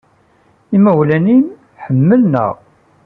Imawlan-nnem ḥemmlen-aɣ.